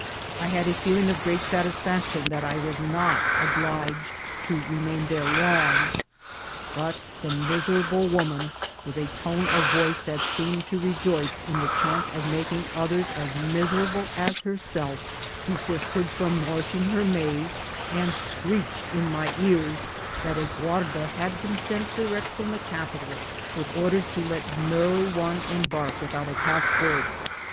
I had a feeling of great satisfaction that I was not obliged to re main there long ; but the miserable woman, with a tone of voice that seemed to rejoice in the chance of making others as miserable as herself, desisted from washing 32 INCIDENTS OP TRAVEL. her rnaize, and screeched in my ears that a guarda had been sent direct from the capital, with orders to let no one embark without a passport.